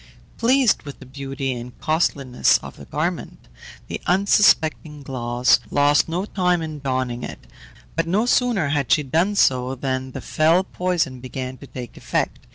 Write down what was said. Pleased with the beauty and costliness of the garment, the unsuspecting Glauce lost no time in donning it; but no sooner had she done so than the fell poison began to take effect.